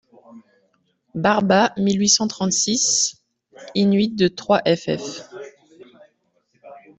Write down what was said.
Barba, mille huit cent trente-six, in-huit de trois ff.